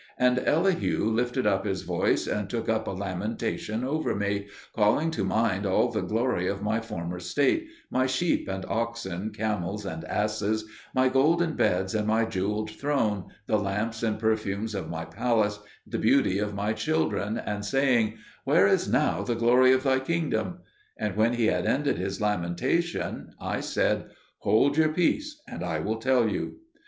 And Elihu lifted up his voice and took up a lamentation over me, calling to mind all the glory of my former state, my sheep and oxen, camels and asses, my golden beds and my jewelled throne, the lamps and perfumes of my palace, and the beauty of my children, and saying, "Where is now the glory of thy kingdom?" And when he had ended his lamentation I said, "Hold your peace and I will tell you."